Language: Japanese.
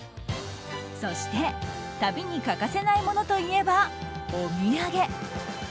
そして旅に欠かせないものといえば、お土産。